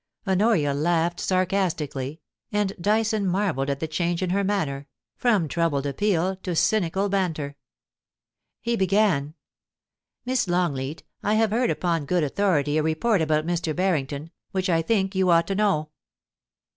Honoria laughed sarcastically, and Dyson marvelled at the change in her manner, from troubled appeal to cynical banter. He began :* Miss Longleat, I have heard upon good authority a report about Mr. Barrington, which I think you ought to know.'